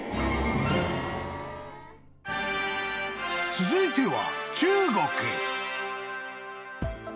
［続いては］